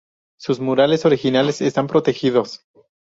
Sus murales originales están protegidos.